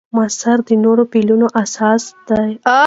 مصدر د نورو فعلونو اساس دئ.